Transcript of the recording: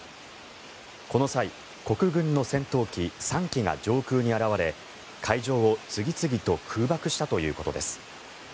この際、国軍の戦闘機３機が上空に現れ会場を次々と空爆したということです。